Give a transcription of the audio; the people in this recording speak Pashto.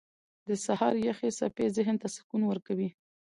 • د سهار یخې څپې ذهن ته سکون ورکوي.